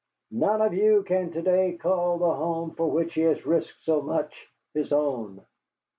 None of you can to day call the home for which he has risked so much his own.